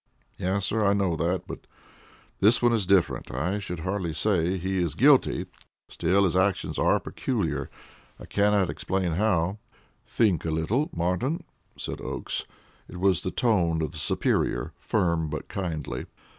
"Yes, sir, I know that; but this one is different. I should hardly say he is guilty; still, his actions are peculiar I cannot explain how." "Think a little, Martin," said Oakes. It was the tone of the superior, firm but kindly.